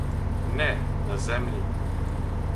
Не, на земљи.